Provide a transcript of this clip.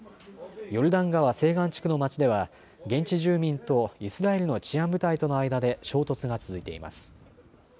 ヨルダン川西岸地区の町では現地住民とイスラエルの治安部隊との間で衝突が続いています。